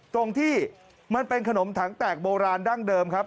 ตรงที่มันเป็นขนมถังแตกโบราณดั้งเดิมครับ